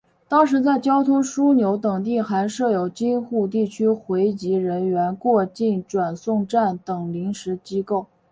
当时在交通枢纽等地还设有京沪地区回籍人员过境转送站等临时机构。